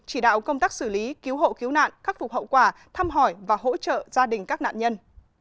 chỉ đạo công tác xử lý cứu hộ cứu nạn khắc phục hậu quả thăm hỏi và hỗ trợ gia đình các nạn nhân